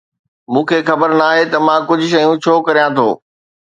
مون کي خبر ناهي ته مان ڪجهه شيون ڇو ڪريان ٿو